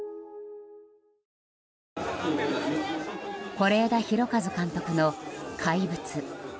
是枝裕和監督の「怪物」。